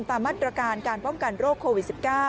ตามมาตรการการป้องกันโรคโควิด๑๙